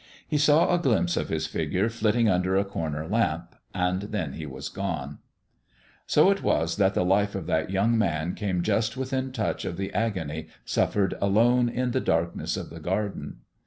He saw a glimpse of his figure flitting under a corner lamp, and then he was gone. So it is that the life of that young man came just within touch of the agony suffered alone in the darkness of the garden.